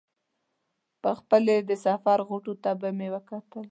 خپلې د سفر غوټو ته به مې وکتل.